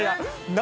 何？